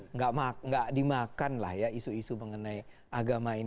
enggak dimakanlah ya isu isu mengenai agama ini